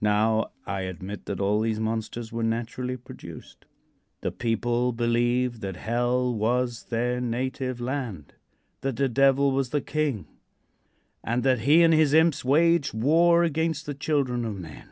Now, I admit that all these monsters were naturally produced. The people believed that hell was their native land; that the Devil was a king, and that lie and his imps waged war against the children of men.